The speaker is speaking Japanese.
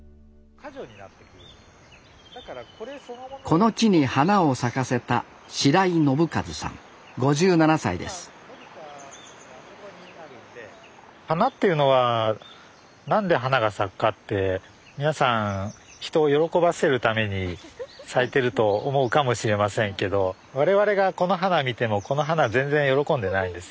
この地に花を咲かせた花っていうのは何で花が咲くかって皆さん人を喜ばせるために咲いてると思うかもしれませんけど我々がこの花見てもこの花全然喜んでないんです。